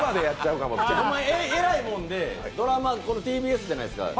えらいもんで、ドラマ、ＴＢＳじゃないですか？